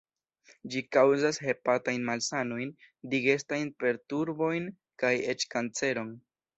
Ĝi kaŭzas hepatajn malsanojn, digestajn perturbojn kaj eĉ kanceron.